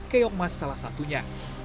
keongmas salah satunya